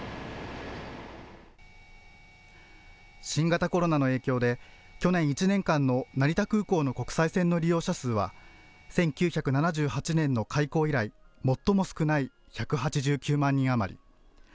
新型コロナの影響で去年１年間の成田空港の国際線の利用者数は１９７８年の開港以来、最も少ない１８９万人余り。